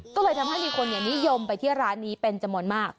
ก็เลยทำให้มีคนนิยมไปที่ร้านนี้เป็นจำนวนมาก